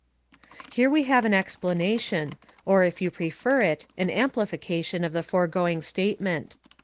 217 Here we have an explanation, or, if you prefer it, an am plification of the foregoing statement.